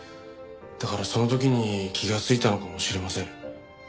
だからその時に気がついたのかもしれません。